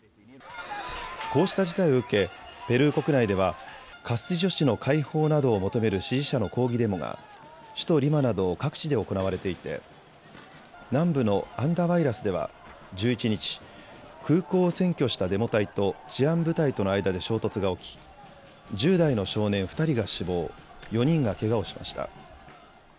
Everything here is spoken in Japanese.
こうした事態を受けペルー国内ではカスティジョ氏の解放などを求める支持者の抗議デモが首都リマなど各地で行われていて南部のアンダワイラスでは１１日、空港を占拠したしたデモ隊と治安部隊との間で衝突が起き１０代の少年２人が死亡、４人がけがをしました。